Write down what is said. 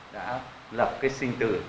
đã lập cái sinh tử